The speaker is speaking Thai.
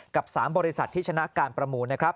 กับ๓บริษัทที่ชนะการประมูลนะครับ